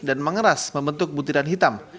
dan mengeras membentuk butiran hitam